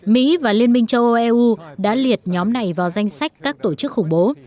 mỹ và liên minh châu âu eu đã liệt nhóm này vào danh sách các tổ chức khủng bố